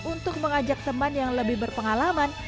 untuk mengajak teman yang lebih berpengalaman